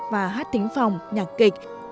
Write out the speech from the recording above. và hát tính phòng nhạc kịch